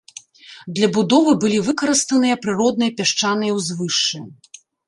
Для будовы былі выкарыстаныя прыродныя пясчаныя ўзвышшы.